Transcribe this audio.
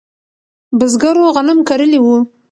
بزګرو غنم کرلی و.